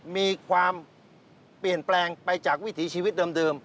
มีความเปลี่ยนแปลงไปจากวิถีชีวิตเดิม